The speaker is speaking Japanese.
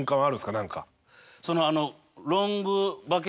何か。